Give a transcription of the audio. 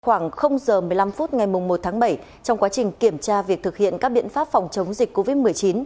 khoảng giờ một mươi năm phút ngày một tháng bảy trong quá trình kiểm tra việc thực hiện các biện pháp phòng chống dịch covid một mươi chín